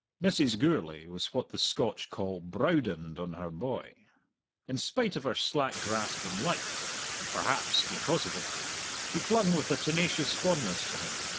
Mrs. Gourlay was what the Scotch call "browdened on her boy." In spite of her slack grasp on life perhaps, because of it she clung with a tenacious fondness to him.